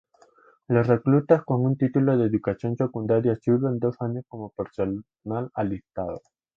Los reclutas con un título de Educación Secundaria sirven dos años como personal alistado.